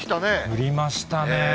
降りましたね。